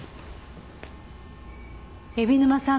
海老沼さん